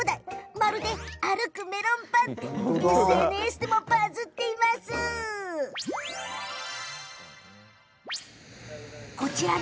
まるで歩くメロンパンみたいだとＳＮＳでバズっているの。